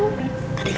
tadi kamu pencet apa